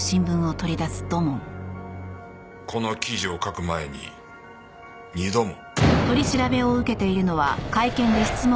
この記事を書く前に２度も。